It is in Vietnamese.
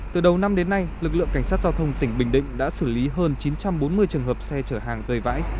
từ đầu năm đến nay lực lượng cảnh sát giao thông tỉnh bình định đã xử lý hơn chín trăm bốn mươi trường hợp xe chở hàng rời vãi